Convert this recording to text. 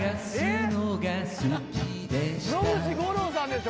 野口五郎さんですよ